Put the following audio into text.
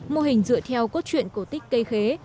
mô hình dựa theo cốt truyện cổ tích cây khế